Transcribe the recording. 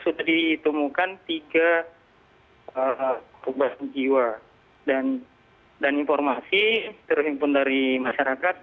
sudah ditemukan tiga perubahan jiwa dan informasi terhimpun dari masyarakat